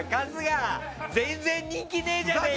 全然、人気ねーじゃねーか！